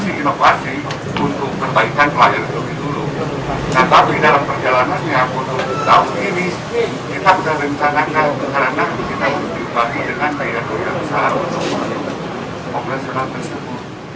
tapi dalam perjalanan yang aku tahu tahun ini kita sudah berinsanakan karena kita harus dibagi dengan kayaan kayaan yang salah untuk operasional tersebut